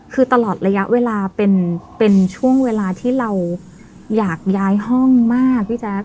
คือตลอดระยะเวลาเป็นช่วงเวลาที่เราอยากย้ายห้องมากพี่แจ๊ค